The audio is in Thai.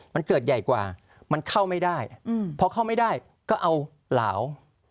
มันเข้าไม่ได้พอเข้าไม่ได้ก็เอาหลาว